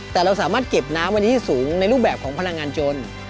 แต่เราสามารถเก็บน้ำวันนี้ที่สูงในรูปแบบของพลังงานจน